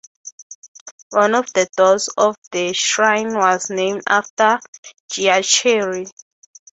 One of the doors of the Shrine was named after Giachery.